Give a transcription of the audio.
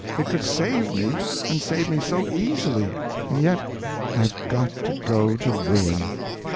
It could save me, and save me so easily, and yet I've got to go to ruin.